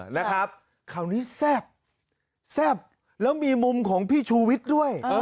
แล้วคราวนี้แซ่บแล้วมีมุมของพี่ชูวิทย์ด้วย